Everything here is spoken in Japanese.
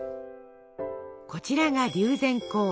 こちらが龍涎香。